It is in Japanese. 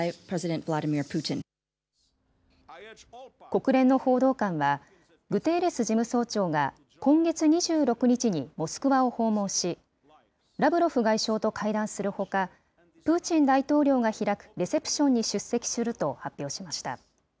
国連の報道官は、グテーレス事務総長が今月２６日にモスクワを訪問し、ラブロフ外相と会談するほか、プーチン大統領が開くレセプションに出席すると発表しました。